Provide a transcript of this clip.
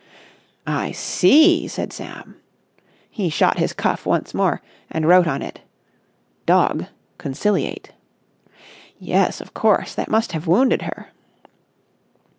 "I see!" said Sam. He shot his cuff once more and wrote on it: "Dog—conciliate." "Yes, of course, that must have wounded her."